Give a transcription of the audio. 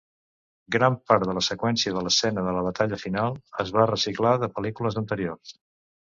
Gran part de la seqüència de l'escena de la batalla final es va reciclar de pel·lícules anteriors.